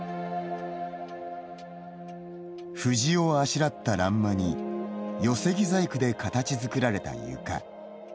藤をあしらった欄間に寄せ木細工で形づくられた床。